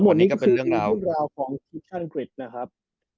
วันนี้ก็เป็นเรื่องราวของทีมชาติอังกฤษนะครับ